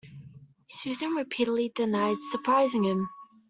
Susan repeatedly denied surprising him.